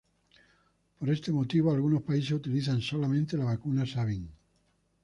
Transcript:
Por este motivo, algunos países utilizan solamente la vacuna Sabin.